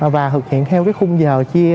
và thực hiện theo cái khung giờ chia